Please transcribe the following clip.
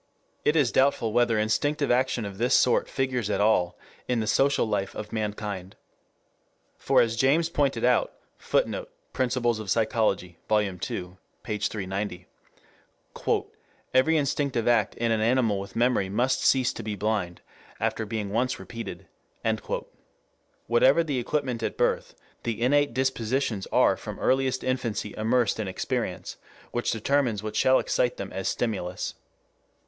It is doubtful whether instinctive action of this sort figures at all in the social life of mankind. For as James pointed out: [Footnote: Op. cit., Vol. II, p. 390.] "every instinctive act in an animal with memory must cease to be 'blind' after being once repeated." Whatever the equipment at birth, the innate dispositions are from earliest infancy immersed in experience which determines what shall excite them as stimulus.